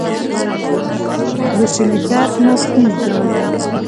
د سینې درد مو کوم ډول دی؟